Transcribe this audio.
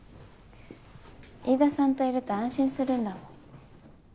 飯田さんといると安心するんだもん。